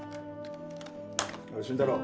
おい俊太郎。